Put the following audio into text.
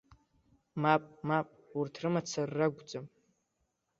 Мап, мап, урҭ рымацара ракәӡам.